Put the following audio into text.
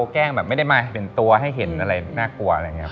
แกล้งแบบไม่ได้มาเป็นตัวให้เห็นอะไรน่ากลัวอะไรอย่างนี้